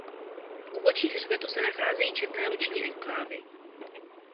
V úbočích hřbetu se nacházejí četné luční enklávy.